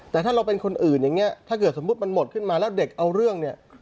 แต่ถ้าเราเป็นคนอื่นอย่างนี้ถ้าเกิดสมมุติมันหมดขึ้นมาแล้วเด็กเอาเรื่องเนี่ย